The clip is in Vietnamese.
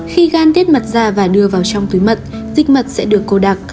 khi gan tiết mật ra và đưa vào trong túi mật dịch mật sẽ được cố đặc